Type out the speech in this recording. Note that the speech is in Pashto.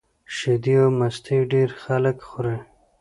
شیدې او مستې ډېری خلک خوري